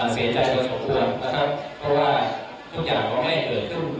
ผมเองก็ทำเสียใจกับสมควรนะครับเพราะว่าทุกอย่างก็ไม่เกิดขึ้น